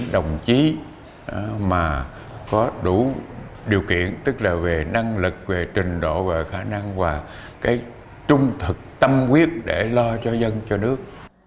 đồng chí mà có đủ điều kiện tức là về năng lực về trình độ và khả năng và cái trung thực tâm quyết để lo cho dân cho nước